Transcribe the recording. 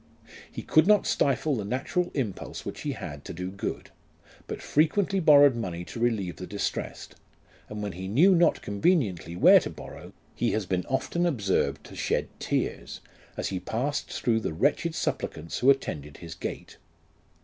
He could not stifle the natural impulse which he had to do good, but frequently borrowed money to relieve the distressed ; and when he knew not conveniently where to borrow, he has been often observed to shed tears, as he passed through the wretched supplicants who attended his gate.